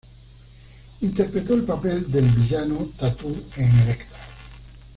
Interpretó el papel del villano Tattoo en "Elektra".